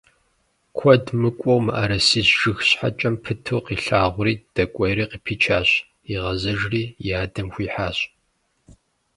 Куэд мыкӀуэу мыӀэрысищ жыг щхьэкӀэм пыту къилъагъури дэкӀуейри къыпичащ, игъэзэжри и адэм хуихьащ.